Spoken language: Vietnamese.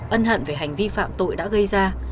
ân hận về hành vi phạm tội đã gây ra